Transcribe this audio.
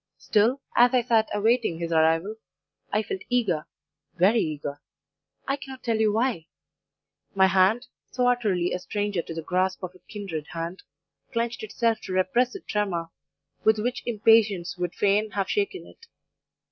Still, as I sat awaiting his arrival, I felt eager very eager I cannot tell you why; my hand, so utterly a stranger to the grasp of a kindred hand, clenched itself to repress the tremor with which impatience would fain have shaken it.